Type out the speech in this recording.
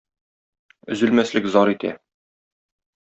Өзелмәслек зар итә.